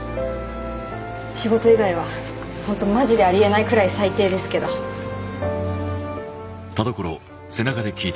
仕事以外は本当マジでありえないくらい最低ですけど何？